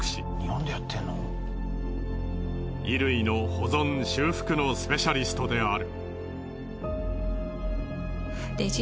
衣類の保存修復のスペシャリストである。